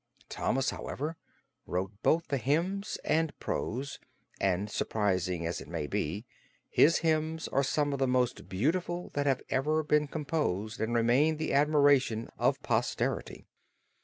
Thomas, however, wrote both hymns and prose, and, surprising as it may be, his hymns are some of the most beautiful that have ever been composed and remain the admiration of posterity.